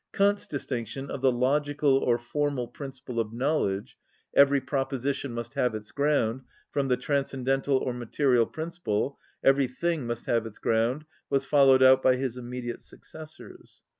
Kant's distinction of the logical or formal principle of knowledge—Every proposition must have its ground; from the transcendental or material principle, Every thing must have its ground—was followed out by his immediate successors.